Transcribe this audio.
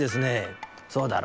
「そうだろ。